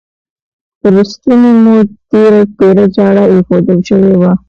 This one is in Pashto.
پر ستوني مو تیره چاړه ایښودل شوې وه.